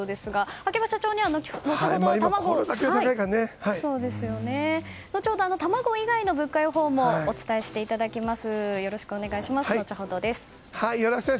秋葉社長には後ほど卵以外の物価予報もお伝えしていただきます。